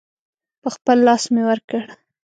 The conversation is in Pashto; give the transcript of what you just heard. په خپل لاس مې ورکړ.